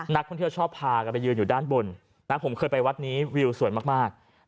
นักท่องเที่ยวชอบพากันไปยืนอยู่ด้านบนนะผมเคยไปวัดนี้วิวสวยมาก